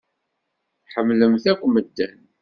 Tḥemmlemt akk medden.